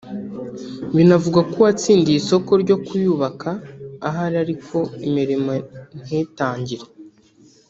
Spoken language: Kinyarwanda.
binavugwa ko uwatsindiye isoko ryo kuyubaka ahari ariko imirimo ntitangire